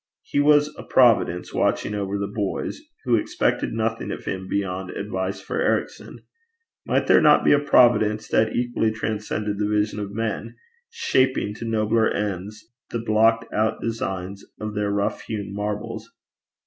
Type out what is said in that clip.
He was a providence watching over the boys, who expected nothing of him beyond advice for Ericson! Might there not be a Providence that equally transcended the vision of men, shaping to nobler ends the blocked out designs of their rough hewn marbles?